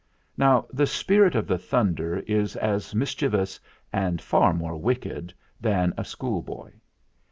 Now the Spirit of the Thunder is as mis chievous and far more wicked than a school boy.